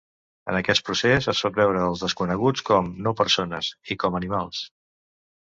En aquest procés, es pot veure als desconeguts com "no persones" i com animals.